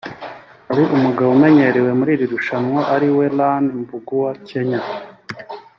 harimo umugabo umenyerewe muri iri rushanwa ariwe Ian Mbugua(Kenya)